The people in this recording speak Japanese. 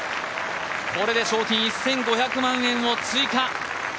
これで賞金１５００万円を追加。